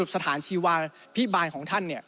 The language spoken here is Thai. สถานชีวภิบาลของท่านเนี่ย